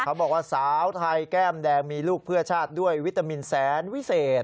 เขาบอกว่าสาวไทยแก้มแดงมีลูกเพื่อชาติด้วยวิตามินแสนวิเศษ